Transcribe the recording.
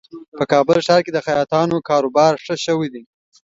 په کابل ښار کې د خیاطانو کاروبار ښه شوی دی